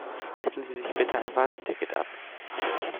Reißen Sie sich bitte ein Warteticket ab.